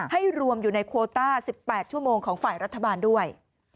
ให้รวมอยู่ในโคต้า๑๘ชั่วโมงของฝ่ายรัฐบาลด้วย